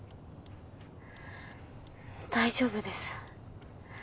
大丈夫です。